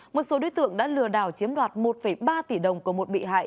một số đối tượng đã lừa đảo chiếm đoạt một ba tỷ đồng của một bị hại